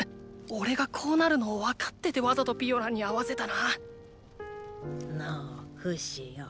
おれがこうなるのを分かっててわざとピオランに会わせたな！のおフシよ。